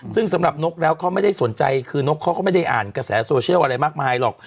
ซึ่งสำหรับนกแล้วเขาไม่ได้สนใจคือนกเขาก็ไม่ได้อ่านกระแสโซเชียลอะไรมากมายหรอก